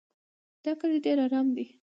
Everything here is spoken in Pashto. دا کلی ډېر ارام دی.